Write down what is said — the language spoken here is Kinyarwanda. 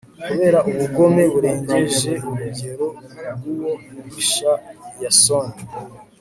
kubera ubugome burengeje urugero bw'uwo mubisha yasoni